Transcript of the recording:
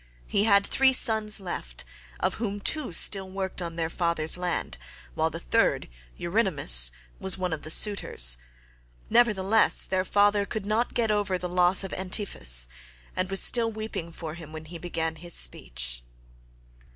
17 He had three sons left, of whom two still worked on their father's land, while the third, Eurynomus, was one of the suitors; nevertheless their father could not get over the loss of Antiphus, and was still weeping for him when he began his speech.